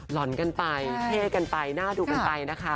ห่อนกันไปเท่กันไปหน้าดูกันไปนะคะ